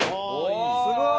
すごい！